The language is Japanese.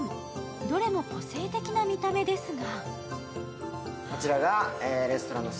どれも個性的な見た目ですが。